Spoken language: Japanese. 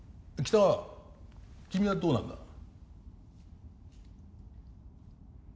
北川君はどうなんだ？